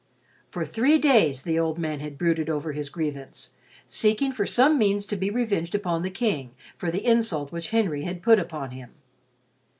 For three days, the old man had brooded over his grievance, seeking for some means to be revenged upon the King for the insult which Henry had put upon him.